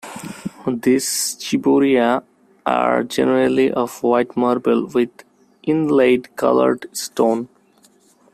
These "ciboria" are generally of white marble, with inlaid coloured stone.